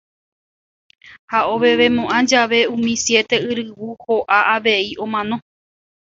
Ha ovevemo'ã jave umi siete yryvu ho'a avei omano.